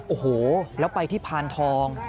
โอ้โหแล้วไปที่พานทอง